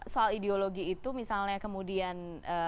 soal ideologi itu misalnya kemudian